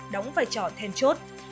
đóng vai trò thêm chốt